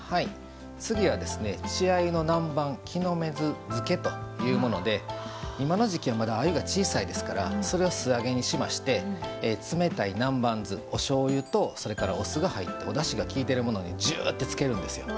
次は「稚鮎の南蛮木の芽酢漬け」というもので今の時期は鮎が小さいですからそれを素揚げにしまして冷たい南蛮酢、おしょうゆとそれからお酢が入っておだしが利いているものに漬けるんです。